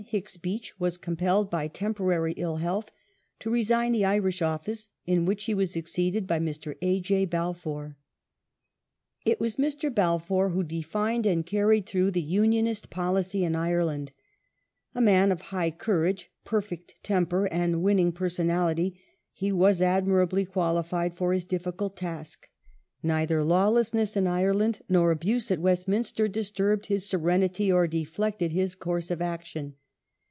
Hicks Beach was compelled, by temporary ill health, to resign the Irish Office in which he was succeeded by Mr. A. J. Balfour. It was Mr. Balfour who defined and can ied through the Union Mr. Bal ist policy in freTaOTf "^ A man of high courage, perfect temper, and [n^i^^giand winning personality he was admiirably qualified for his difficult task. Neither lawlessness in Ireland nor abuse at Westminster disturbed his serenity or deflected his course of action.